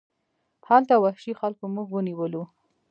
هلته وحشي خلکو موږ ونیولو.